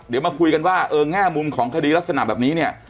เดี๋ยวมาคุยกันว่าเออแง่มุมของคดีลักษณะแบบนี้เนี่ย